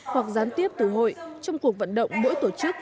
hoặc gián tiếp từ hội trong cuộc vận động mỗi tổ chức